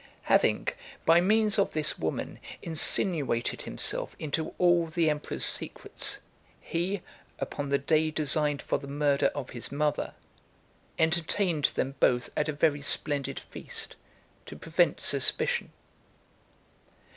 III. Having, by means of this woman, insinuated himself into all the emperor's secrets, he, upon the day designed for the murder of his mother, entertained them both at a very splendid feast, to prevent suspicion.